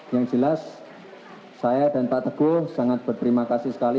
yang jelas saya dan pak teguh sangat berterima kasih sekali